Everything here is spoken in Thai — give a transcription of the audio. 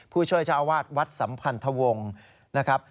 ผู้ช่วยเจ้าอาวาสวัดสัมพันธวงศ์นะครับ